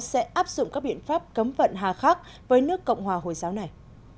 sẽ áp dụng các biện pháp cấm vận hà khắc với nước cộng hòa hồi giáo này